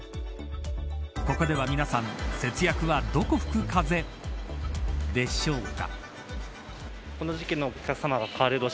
ここでは皆さん節約は、どこ吹く風でしょうか。